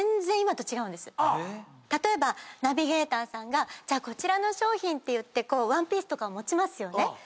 例えばナビゲーターさんが「こちらの商品」っていってワンピースとかを持ちますよね。